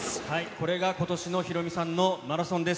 これがことしのヒロミさんのマラソンです。